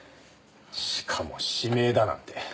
しかも指名だなんて。